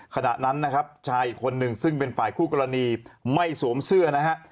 ขณะนั้นนะครับชายอีกคนหนึ่งซึ่งเป็นฝ่ายคู่กรณีไม่สวมเสื้อนะฮะ